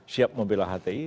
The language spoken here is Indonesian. siap membela hti